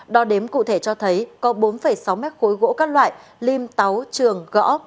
đo đếm cụ thể cho thấy có bốn sáu mét khối gỗ các loại lim táu trường gõ